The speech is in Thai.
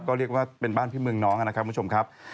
ก็เรียกว่าเป็นบ้านพี่เมืองน้องนะครับคุณผู้ชมครับ